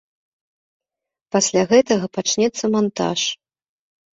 Пасля гэтага пачнецца мантаж.